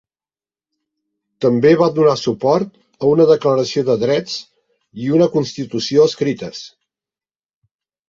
També va donar suport a una declaració de drets i una constitució escrites.